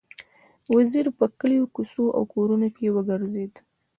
وزیر په کلیو، کوڅو او کورونو کې وګرځېد.